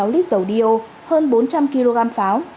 bảy trăm linh hai ba trăm bảy mươi sáu lít dầu đi ô hơn bốn trăm linh kg pháo